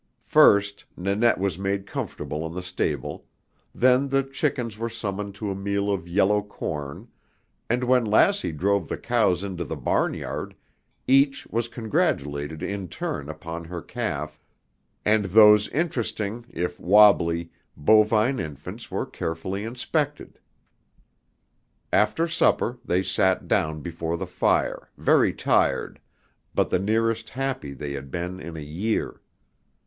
First Nannette was made comfortable in the stable; then the chickens were summoned to a meal of yellow corn, and when Lassie drove the cows into the barnyard, each was congratulated in turn upon her calf, and those interesting, if wobbly, bovine infants were carefully inspected. After supper they sat down before the fire, very tired, but the nearest happy they had been in a year.